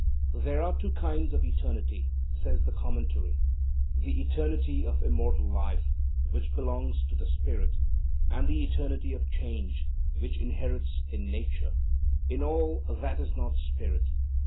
There are two kinds of eternity, says the commentary: the eternity of immortal life, which belongs to the Spirit, and the eternity of change, which inheres in Nature, in all that is not Spirit.